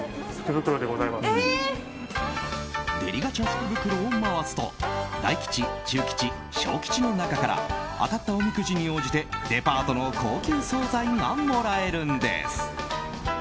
福袋を回すと大吉、中吉、小吉の中から当たったおみくじに応じてデパートの高級総菜がもらえるんです。